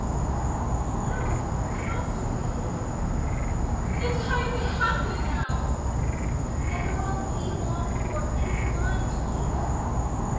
Nina. The clouds have passed away and I am happy now; and the wealth he longed for it is mine to give.